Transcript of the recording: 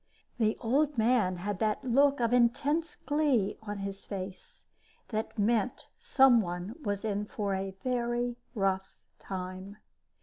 The Old Man had that look of intense glee on his face that meant someone was in for a very rough time.